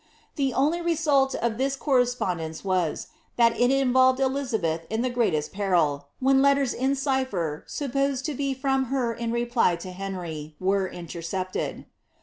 The only re mit of this correspondence was, that it involved Elizabeth in the greatest peril, when letters in cipher, supposed to be from her in reply to Henry, were intereepted.